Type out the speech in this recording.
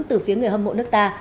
từ phía người hâm mộ nước ta